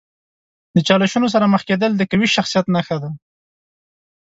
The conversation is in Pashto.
د چالشونو سره مخ کیدل د قوي شخصیت نښه ده.